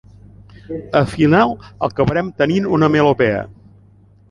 Al final acabarem tenint una melopea.